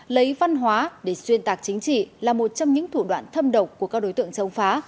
lấy văn hóa để xuyên tạc chính trị là một trong những thủ đoạn thâm độc của các đối tượng chống phá